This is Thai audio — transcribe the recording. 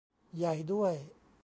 ใหญ่ด้วย